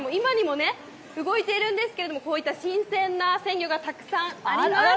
動いているんですけども、こういった新鮮な鮮魚がたくさんあります。